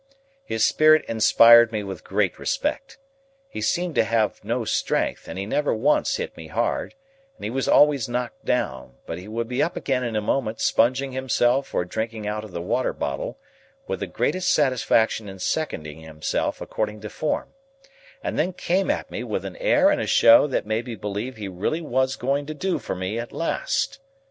His spirit inspired me with great respect. He seemed to have no strength, and he never once hit me hard, and he was always knocked down; but he would be up again in a moment, sponging himself or drinking out of the water bottle, with the greatest satisfaction in seconding himself according to form, and then came at me with an air and a show that made me believe he really was going to do for me at last.